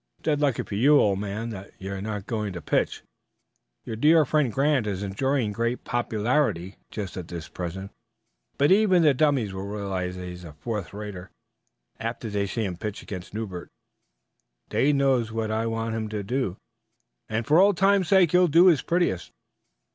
"It's dead lucky for you, old man, that you're not going to pitch. Your dear friend Grant is enjoying great popularity just at present, but even the dummys will realize that he's a fourth rater after they see him pitch against Newbert. Dade knows what I want him to do, and for old times sake he'll do his prettiest.